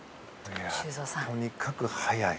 とにかく速い。